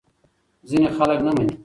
ځینې خلک نه مني.